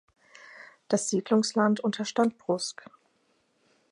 Das Siedlungsland unterstand Brusque.